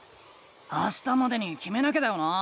あしたまでにきめなきゃだよな？